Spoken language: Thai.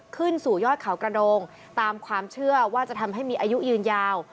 ขึ้นสู่ยอดเขากระโดงตามความเชื่อว่าจะทำให้มีอายุยืนยาว